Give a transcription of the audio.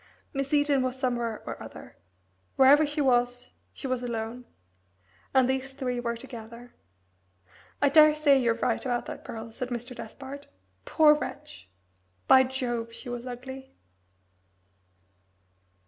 Miss Eden was somewhere or other. Wherever she was she was alone. And these three were together. "I daresay you're right about that girl," said Mr. Despard. "Poor wretch! By Jove, she was ugly!"